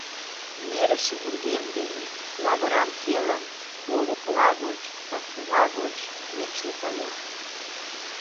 Нӧрышӧ вургем дене, лавырам келын, олыкла гоч, пасула гоч Мичу кая.